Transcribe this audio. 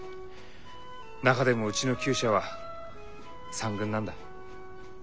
中でもうちの厩舎は三軍なんだ。